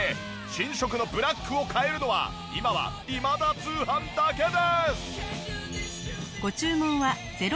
新色のブラックを買えるのは今は『今田通販』だけです。